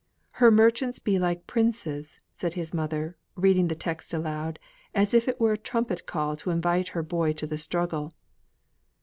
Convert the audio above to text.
"Her merchants be like princes," said his mother, reading the text aloud, as if it were a trumpet call to invite her boy to the struggle.